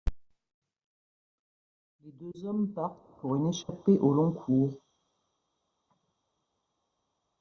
Les deux hommes partent pour une échappée au long cours.